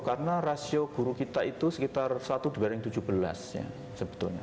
karena rasio guru kita itu sekitar satu di barang tujuh belas ya sebetulnya